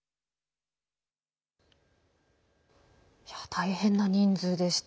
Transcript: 大変な人数でした。